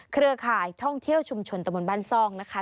เครือข่ายท่องเที่ยวชุมชนตะบนบ้านซ่องนะคะ